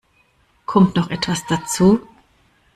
Kommt noch etwas dazu?